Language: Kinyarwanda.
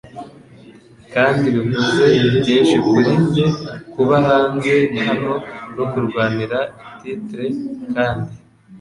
Kandi bivuze byinshi kuri njye kuba hanze hano no kurwanira titre kandi,